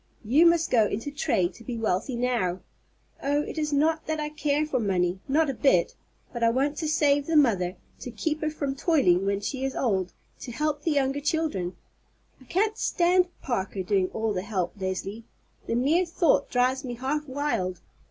You must go into trade to be wealthy now. Oh, it is not that I care for money, not a bit! But I want to save the mother, to keep her from toiling when she is old, to help the younger children. I can't stand Parker doing all the help, Leslie; the mere thought drives me half wild.